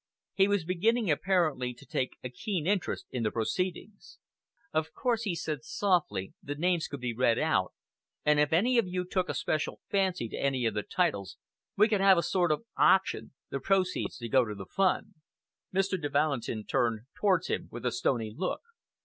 He was beginning, apparently, to take a keen interest in the proceedings. "Of course," he said softly, "the names could be read out, and if any of you took a special fancy to any of the titles, we could have a sort of auction, the proceeds to go to the fund." Mr. de Valentin turned towards him with a stony look.